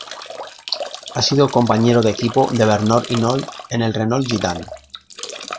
Ha sido compañero de equipo de Bernard Hinault en el Renault-Gitane.